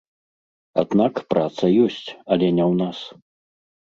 Аднак праца ёсць, але не ў нас.